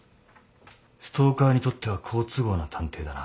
ストーカーにとっては好都合な探偵だな。